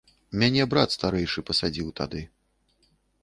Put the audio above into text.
Мяне брат старэйшы падсадзіў тады.